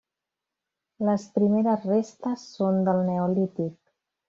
Les primeres restes són del neolític.